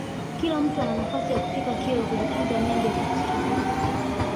Kila mtu ana nafasi ya kufika kilwa kujifunza mengi ya kihistoria